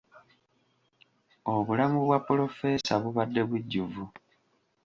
Obulamu bwa pulofeesa bubadde bujjuvu.